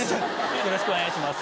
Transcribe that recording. よろしくお願いします。